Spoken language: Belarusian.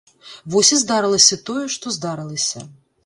Вось і здарылася тое, што здарылася.